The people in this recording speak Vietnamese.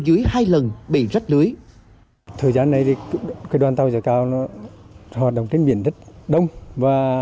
dưới hai lần bị rách lưới thời gian này thì cái đoàn tàu giả cao nó hoạt động trên biển rất đông và